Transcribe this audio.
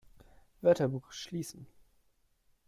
Wörterbuch schließen!